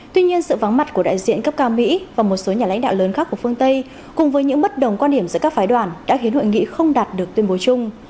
tuy nhiên sự vắng mặt của đại diện cấp cao mỹ và một số nhà lãnh đạo lớn khác của phương tây cùng với những bất đồng quan điểm giữa các phái đoàn đã khiến hội nghị không đạt được tuyên bố chung